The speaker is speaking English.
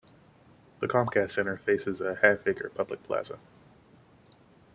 The Comcast Center faces a half-acre public plaza.